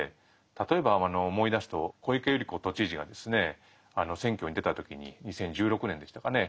例えば思い出すと小池百合子都知事が選挙に出た時に２０１６年でしたかね